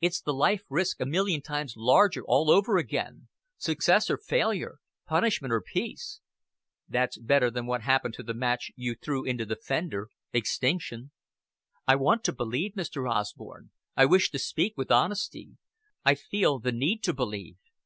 It's the life risk a million times larger all over again success or failure, punishment or peace." "That's better than what happened to the match you threw into the fender extinction." "I want to believe. Mr. Osborne, I wish to speak with honesty. I feel the need to believe.